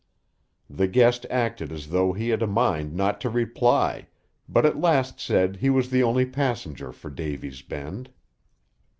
The guest acted as though he had a mind not to reply, but at last said he was the only passenger for Davy's Bend.